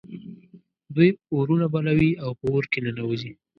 دوی اورونه بلوي او په اور کې ننوزي.